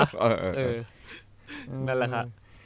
นั่นแหละค่ะ